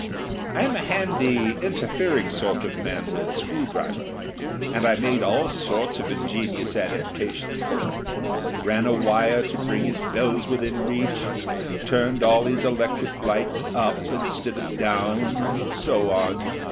I am a handy, interfering sort of man with a screw driver, and I made all sorts of ingenious adaptations for him ran a wire to bring his bells within reach, turned all his electric lights up instead of down, and so on.